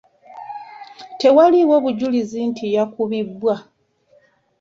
Tewaaliwo bujulizi nti yakubibwa.